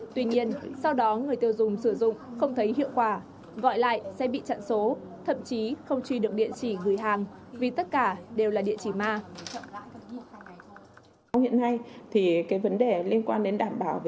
tuy nhiên sau đó người tiêu dùng sử dụng không thấy hiệu quả gọi lại sẽ bị chặn số thậm chí không truy được địa chỉ gửi hàng vì tất cả đều là địa chỉ ma